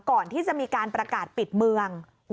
ก่อนที่จะมีการประกาศปิดเมือง